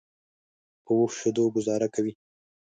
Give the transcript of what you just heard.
په اوښ شیدو ګوزاره کوي.